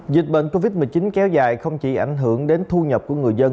dịch bệnh covid một mươi chín kéo dài không chỉ ảnh hưởng đến thu nhập của người dân